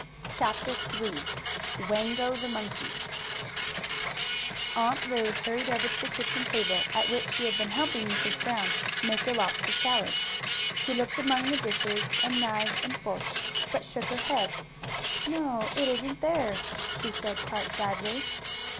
CHAPTER III WANGO, THE MONKEY Aunt Lu hurried over to the kitchen table, at which she had been helping Mrs. Brown make the lobster salad. She looked among the dishes, and knives and forks, but shook her head. "No, it isn't there," she said, quite sadly.